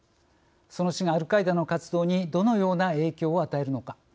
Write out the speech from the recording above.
その死がアルカイダの活動にどのような影響を与えるのか。